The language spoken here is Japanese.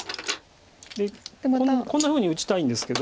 こんなふうに打ちたいんですけど